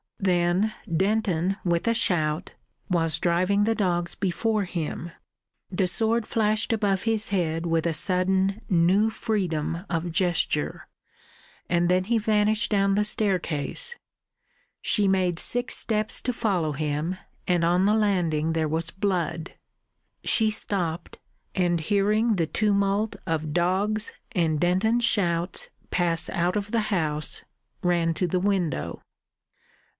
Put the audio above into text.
Then Denton, with a shout, was driving the dogs before him. The sword flashed above his head with a sudden new freedom of gesture, and then he vanished down the staircase. She made six steps to follow him, and on the landing there was blood. She stopped, and hearing the tumult of dogs and Denton's shouts pass out of the house, ran to the window.